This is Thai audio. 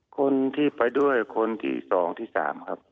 คนที่ไปด้วยคนที่๒ที่๓ครับ